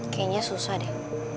kayaknya susah deh